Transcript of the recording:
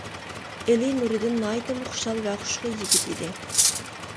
ئېلى نۇرىدىن ناھايىتىمۇ خۇشال ۋە خۇشخۇي يىگىت ئىكەن.